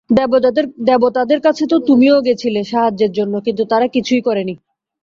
দেবতাদের কাছে তো তুমিও গেছিলে সাহায্যের জন্য, কিন্তু তারা কিছুই করেনি।